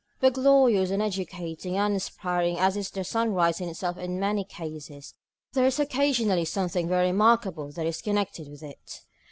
But glorious, and educating, and inspiring as is the sunrise in itself in many cases, there is occasionally something very remarkable that is connected with it.